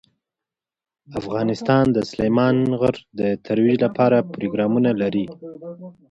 افغانستان د سلیمان غر د ترویج لپاره پروګرامونه لري.